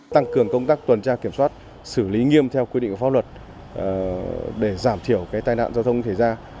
tăng cường công tác tuần tra kiểm soát xử lý nghiêm theo quy định của pháp luật để giảm thiểu tai nạn giao thông thể ra